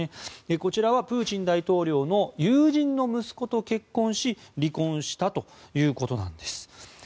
こちらはプーチン大統領の友人の息子と結婚し離婚したということなんです。